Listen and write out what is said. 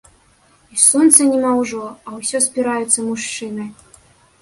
І сонца няма ўжо, а ўсё спіраюцца мужчыны.